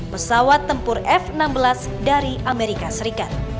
pesawat tempur f enam belas dari amerika serikat